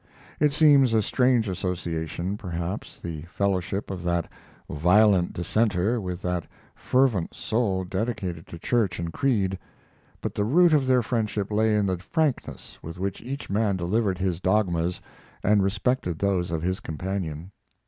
It seems a strange association, perhaps, the fellowship of that violent dissenter with that fervent soul dedicated to church and creed, but the root of their friendship lay in the frankness with which each man delivered his dogmas and respected those of his companion.